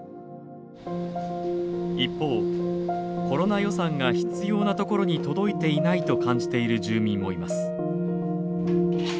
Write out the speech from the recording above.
一方コロナ予算が必要なところに届いていないと感じている住民もいます。